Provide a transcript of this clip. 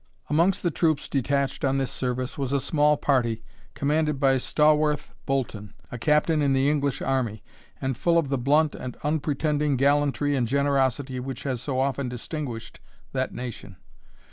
Amongst the troops detached on this service was a small party, commanded by Stawarth Bolton, a captain in the English army, and full of the blunt and unpretending gallantry and generosity which has so often distinguished that nation.